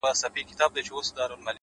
o تر پرون مي يوه کمه ده راوړې،